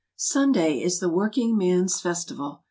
Sunday is the workingman's festival.